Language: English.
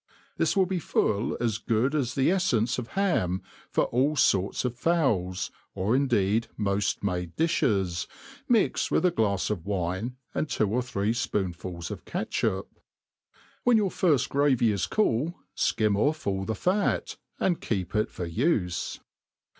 This will be full as good as the cflfcnce of ham for all forts of fowls, or indeed modi made di(he§, mixed with a glafs of wine, and two or three fpoonfuls of catchup, "V^hen your firft gravy is cool, fkim off all the fat, and keep it for ufe.